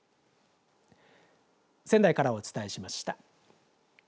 仙台からお伝えしました。